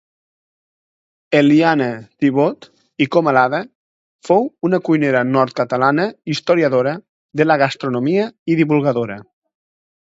Eliana Thibaut i Comalada fou una cuinera nord-catalana historiadora de la gastronomia i divulgadora